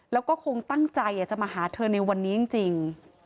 แล้วก็คงตั้งใจจะมาหาเธอในวันนี้จริง